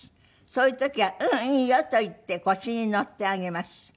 「そういう時は“うんいいよ”と言って腰に乗ってあげます」